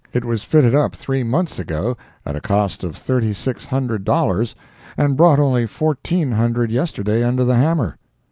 It was fitted up three months ago at a cost of thirty six hundred dollars, and brought only fourteen hundred yesterday under the hammer.